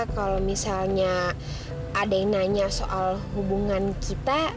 kalau misalnya ada yang nanya soal hubungan kita